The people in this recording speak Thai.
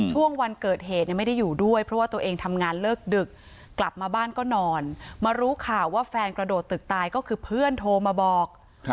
ช่วงวันเกิดเหตุไม่ได้อยู่ด้วยเพราะว่าตัวเองทำงานเลิกดึกกลับมาบ้านก็นอนมารู้ข่าวว่าแฟนกระโดดตึกตายก็คือเพื่อนโทรมาบอก